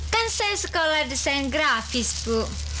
kan saya sekolah desain grafis bu